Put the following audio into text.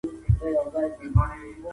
باید د فساد ریښې وباسو.